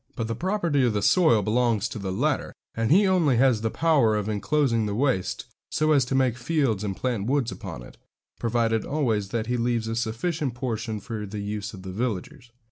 But the property of the soil belongs to the latter, and he only has the power of enclosing the waste so as to make fields and plant woods upon it, provided always that he leaves a sufficient portion for the use of the villagers.